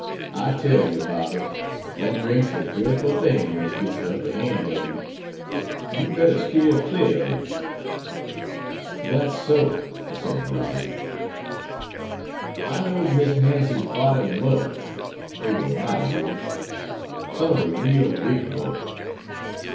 I tell you, Bobby, dat drink's a drefful thing wen it gits de upper han' ob you. You'd better steer clar ob it." "That's so," assented Robert. "I know'd Miss Nancy's fadder and mudder. Dey war mighty rich. Some ob de real big bugs.